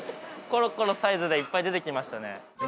コロコロサイズでいっぱい出てきましたね